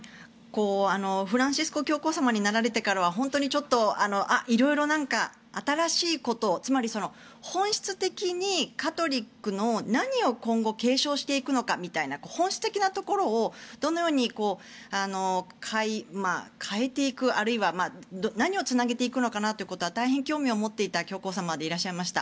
フランシスコ教皇になられてからはいろいろ新しいことを本質的にカトリックの何を今後継承していくのかみたいな本質的なところをどのように変えていくあるいは何をつなげていくのかなということは大変興味を持っていた教皇様でいらっしゃいました。